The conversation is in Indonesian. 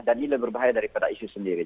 dan ini lebih berbahaya daripada isis sendiri